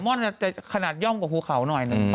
่อนจะขนาดย่อมกว่าภูเขาหน่อยหนึ่ง